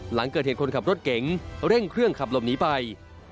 หลังเกิดเหตุคนขับรถเก๋งเร่งเครื่องขับหลบหนีไป